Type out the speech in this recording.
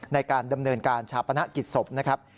ในการดำเนินการชาปนกิจศพนะครับ